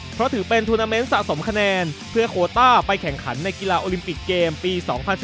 เพราะถือเป็นทูนาเมนต์สะสมคะแนนเพื่อโคต้าไปแข่งขันในกีฬาโอลิมปิกเกมปี๒๐๑๙